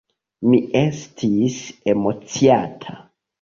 Mi estis emociata.